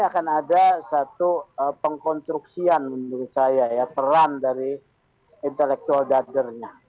ini akan ada satu pengkonstruksian menurut saya ya peran dari intellectual data nya